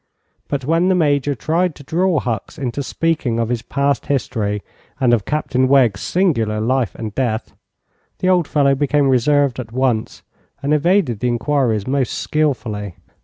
But when the Major tried to draw Hucks into speaking of his past history and of Captain Wegg's singular life and death, the old fellow became reserved at once and evaded the inquiries most skillfully.